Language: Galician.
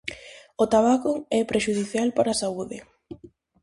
O tabaco é prexudicial para a saúde.